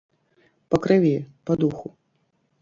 Па крыві, па духу.